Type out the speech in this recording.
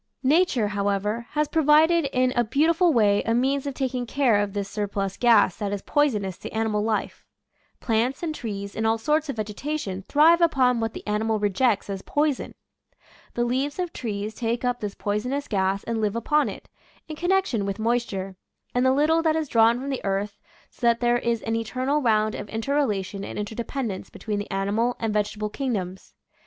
Nature, however, has provided in a beau tiful way a means of taking care of this sur plus gas that is poisonous to animal life. Plants and trees and all sorts of vegetation , i . Original from UNIVERSITY OF WISCONSIN Cbe Sun's Ka^s. 161 thrive upon what the animal rejects as poison. The leaves of trees take up this poisonous gas and live upon it, in connection with moisture, and the little that is drawn from the earth, so that there is an eternal round of inter relation and interdependence between the ani mal and vegetable kingdoms.